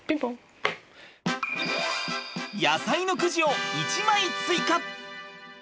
野菜のくじを１枚追加！